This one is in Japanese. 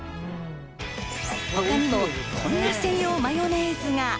他にもこんな専用マヨネーズが。